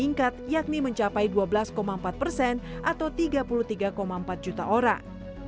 meningkat yakni mencapai dua belas empat persen atau tiga puluh tiga empat juta orang